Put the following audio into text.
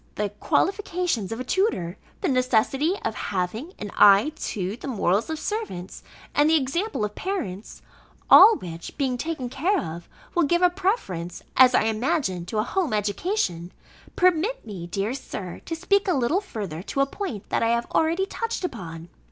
the qualifications of a tutor; the necessity of having an eye to the morals of servants; and the example of parents (all which, being taken care of, will give a preference, as I imagine, to a home education); permit me, dear Sir, to speak a little further to a point, that I have already touched upon.